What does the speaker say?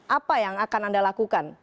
apa yang akan anda lakukan